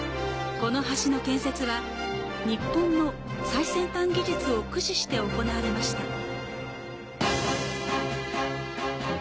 この橋の建設は、日本の最先端技術を駆使して行われました。